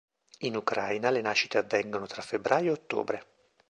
In Ucraina le nascite avvengono tra febbraio e ottobre.